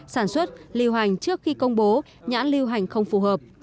sản xuất lưu hành trước khi công bố nhãn lưu hành không phù hợp